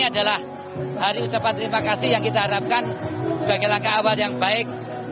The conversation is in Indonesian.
ini adalah hari ucapan terima kasih yang kita harapkan sebagai langkah awal yang baik